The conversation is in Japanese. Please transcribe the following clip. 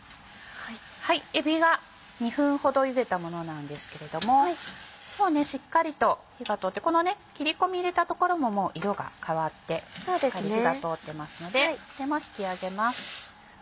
えびが２分ほど茹でたものなんですけれどももうしっかりと火が通ってこの切り込み入れた所ももう色が変わってしっかり火が通ってますのでこれも引き上げます。